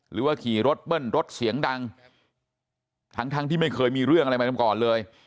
หรือว่าขี่รถเบิ้ลรถเสียงดังทั้งทั้งที่ไม่เคยมีเรื่องอะไรมาก่อนเลย